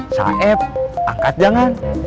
saeb angkat jangan